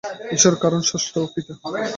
ঈশ্বর কারণ, স্রষ্টা ও পিতা।